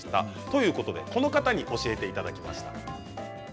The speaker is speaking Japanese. ということでこの方に教えていただきました。